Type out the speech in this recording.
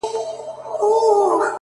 چي د صبر شراب وڅيښې ويده سه،